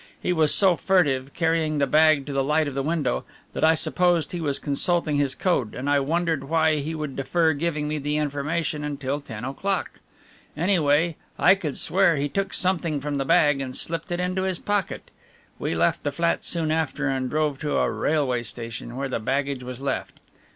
He was so furtive, carrying the bag to the light of the window, that I supposed he was consulting his code, and I wondered why he should defer giving me the information until ten o'clock. Anyway, I could swear he took something from the bag and slipped it into his pocket. We left the flat soon after and drove to a railway station where the baggage was left.